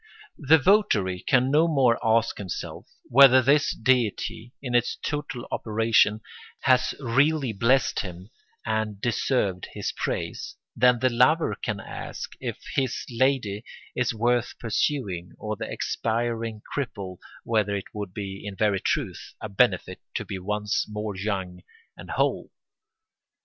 The votary can no more ask himself whether his deity, in its total operation, has really blessed him and deserved his praise than the lover can ask if his lady is worth pursuing or the expiring cripple whether it would be, in very truth, a benefit to be once more young and whole.